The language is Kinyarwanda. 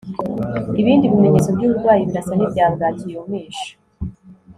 ibindi bimenyetso by'uburwayi birasa n'ibya bwaki yumisha